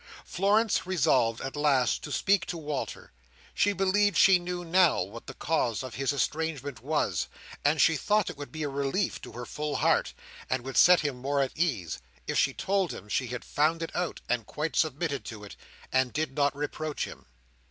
Florence resolved, at last, to speak to Walter. She believed she knew now what the cause of his estrangement was, and she thought it would be a relief to her full heart, and would set him more at ease, if she told him she had found it out, and quite submitted to it, and did not reproach him.